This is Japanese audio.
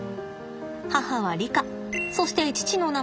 母はリカそして父の名前はアフ。